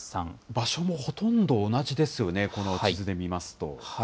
場所もほとんど同じですよね、この地図で見ますと。